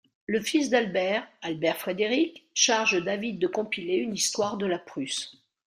Le fils d'Albert, Albert Frédéric, charge David de compiler une histoire de la Prusse.